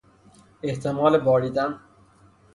احتمال باریدن